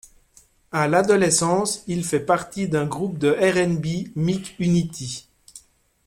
À l'adolescence, il fait partie d'un groupe de R'n'B, Mic Unity.